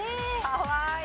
かわいい。